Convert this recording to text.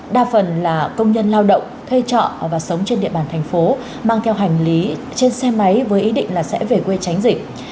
đa phần là công nhân lao động thuê trọ và sống trên địa bàn thành phố mang theo hành lý trên xe máy với ý định là sẽ về quê tránh dịch